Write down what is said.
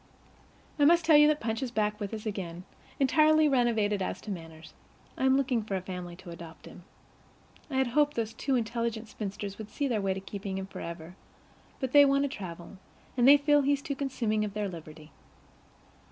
I must tell you that Punch is back with us again, entirely renovated as to manners. I am looking for a family to adopt him. I had hoped those two intelligent spinsters would see their way to keeping him forever, but they want to travel, and they feel he's too consuming of their liberty.